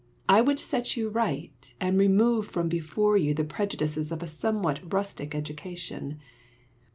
I would set you right, and remove from before you the prejudices of a somewhat rustic education.